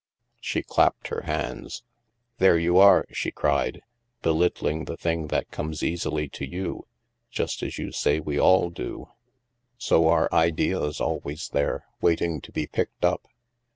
She clapped her hands. " There you are," she cried, " belittling the thing that comes easily to you, just as you say we all do. So are ideas always there, waiting to be picked up.